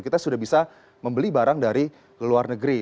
kita sudah bisa membeli barang dari luar negeri